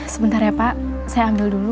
sebentar ya pak saya ambil dulu